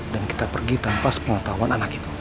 dan kita pergi tanpa pengetahuan anak itu